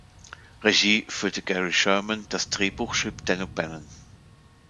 Regie führte Gary Sherman, das Drehbuch schrieb Dan O’Bannon.